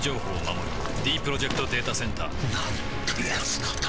ディープロジェクト・データセンターなんてやつなんだ